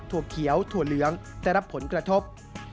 ถั่วเขียวถั่วเหลืองแต่รับผลกระทบ